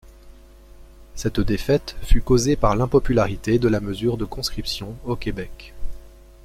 Cette défaite fut causée par l'impopularité de la mesure de conscription au Québec.